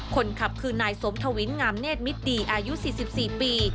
คนขับคือนายสมทวินงามเนธมิตรดีอายุ๔๔ปี